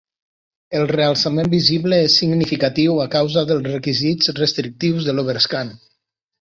El realçament visible és significatiu a causa dels requisits restrictius de l'overscan.